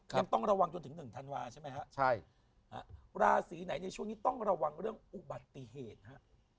ยังต้องระวังจนถึง๑ธันวาใช่ไหมฮะใช่ฮะราศีไหนในช่วงนี้ต้องระวังเรื่องอุบัติเหตุฮะ